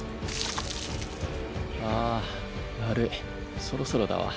ああ悪いそろそろだわ。